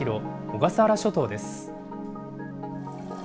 小笠原諸島です。